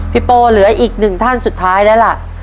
โปเหลืออีกหนึ่งท่านสุดท้ายแล้วล่ะ